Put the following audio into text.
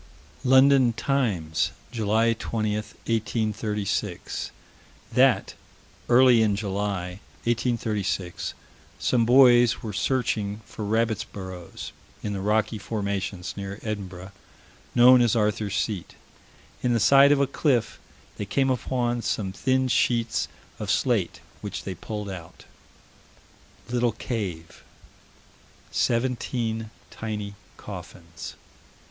London Times, July 20, 1836: That, early in July, 1836, some boys were searching for rabbits' burrows in the rocky formation, near Edinburgh, known as Arthur's Seat. In the side of a cliff, they came upon some thin sheets of slate, which they pulled out. Little cave. Seventeen tiny coffins.